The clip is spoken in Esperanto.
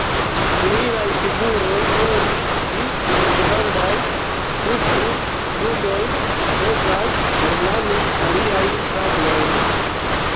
Similaj figuroj, nur pli malgrandaj, du-tri pudojn pezaj, ornamis aliajn tablojn.